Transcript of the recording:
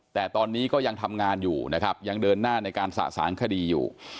แต่ตอนนี้ก็ยังทำงานอยู่นะครับยังเดินหน้าในการสะสางคดีอยู่